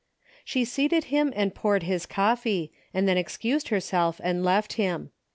She seated him and poured his coffee, and then excused herself and left him.